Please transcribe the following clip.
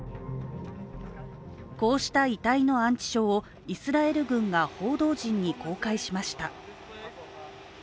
こうした遺体の安置所をイスラエル軍が報道陣に公開しました。